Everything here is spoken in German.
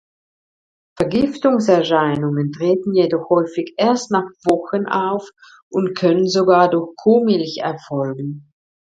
Vergiftungserscheinungen treten jedoch häufig erst nach Wochen auf und können sogar durch Kuhmilch erfolgen.